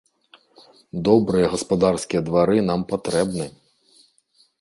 Добрыя гаспадарскія двары нам патрэбны!